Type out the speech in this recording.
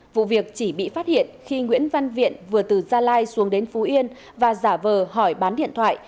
vụ việc chỉ bị phát hiện khi nguyễn văn viện vừa từ gia lai xuống đến phú yên và giả vờ hỏi bán điện thoại